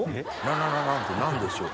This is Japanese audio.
何でしょう？